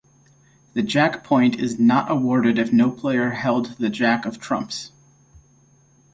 The Jack point is not awarded if no player held the Jack of trumps.